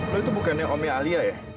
lu itu bukan yang omnya ahli ya ya